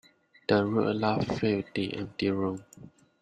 The rude laugh filled the empty room.